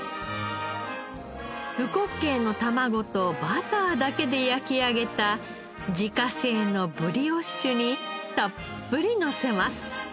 うこっけいの卵とバターだけで焼き上げた自家製のブリオッシュにたっぷりのせます。